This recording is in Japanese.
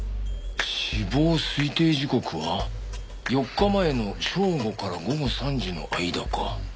死亡推定時刻は４日前の正午から午後３時の間か。